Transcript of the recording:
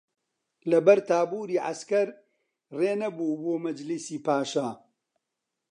لە بەر تابووری عەسکەر ڕێ نەبوو بۆ مەجلیسی پاشا